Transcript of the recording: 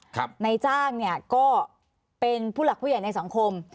นายจ้างเนี่ยก็เป็นผู้หลักผู้ใหญ่ในสังคม